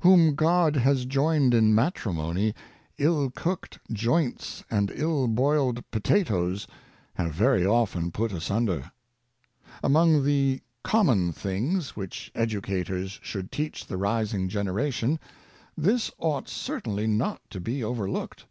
Whom God has joined in matrimony, ill 54 Ill 7nanagmg Wives. cooked joints and ill boiled potatoes have very often put asunder. Among the " common things'' which educat ors should teach the rising generation, this ought cer tainly not to be overlooked.